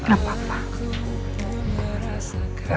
aku gak mikirin itu